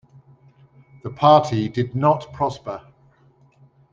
The party did not prosper.